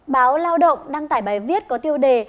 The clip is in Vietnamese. báo lao động đăng tải bài viết có tiêu đề